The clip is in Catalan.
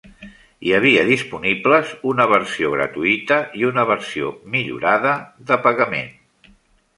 Hi havia disponibles una versió gratuïta i una versió "millorada" de pagament.